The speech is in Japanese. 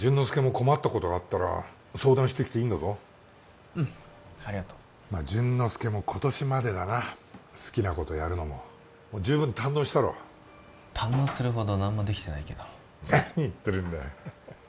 介も困ったことがあったら相談してきていいんだぞうんありがとうまっ潤之介も今年までだな好きなことやるのももう十分堪能したろ堪能するほど何もできてないけど何言ってるんだ